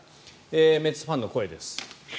メッツファンの声です。